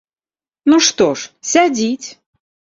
Ну што ж, сядзіць!